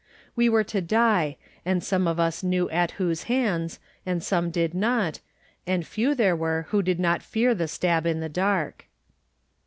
We were to die, and some of us knew at whose hands, and some did not, and few there were who did not fear the stab in the dark.